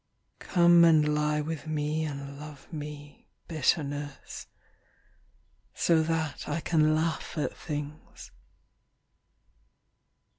Come and lie with me and love me, 10 Bitterness, So that I can laugh at things.